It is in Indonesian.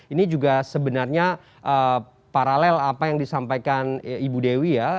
ini juga sebenarnya paralel apa yang disampaikan ibu dewi ya